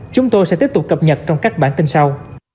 chúng tôi sẽ tiếp tục cập nhật trong các bản tin sau